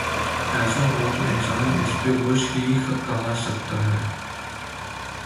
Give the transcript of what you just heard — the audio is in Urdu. ایسا ہو تو انسان اس پہ غش ہی کھا سکتا ہے۔